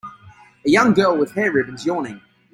A young girl with hair ribbons yawning.